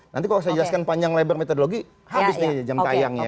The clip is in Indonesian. nanti kalau saya jelaskan panjang lebar metodologi habis nih jam tayangnya